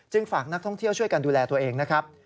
ฝากนักท่องเที่ยวช่วยกันดูแลตัวเองนะครับ